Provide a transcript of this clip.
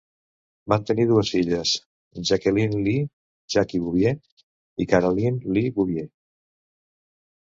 Van tenir dues filles, Jacqueline Lee "Jackie" Bouvier i Caroline Lee Bouvier.